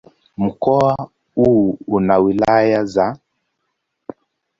Mkoa huu una wilaya za